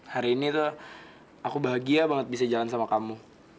hari ini tuh aku bahagia banget bisa jalan sama kamu